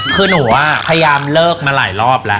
คือหนูพยายามเลิกมาหลายรอบแล้ว